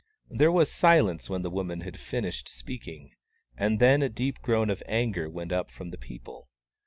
There was silence when the woman had finished speaking, and then a deep groan of anger went up from the people.